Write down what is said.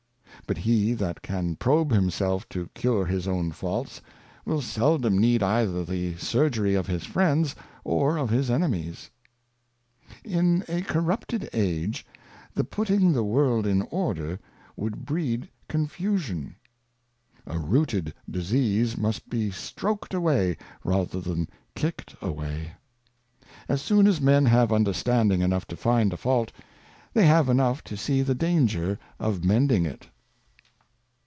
But he that can probe himself to cure his own Faults, will seldom need either the Surgery of his Friends or of his Enemies, ^^^ ^^M ' IN a corrupted Age the putting the World in order would <em«on^jjj.gg(j Confusion. A rooted Disease must be stroaked away, rather than kicked away. As soon as Men have Understanding enough to find a Fault, they have enough to see the danger of mending it.